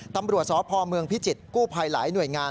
ตำรวจสพเมืองพิจิตรกู้ภัยหลายหน่วยงาน